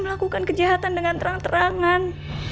melakukan kejahatan dengan terang terangan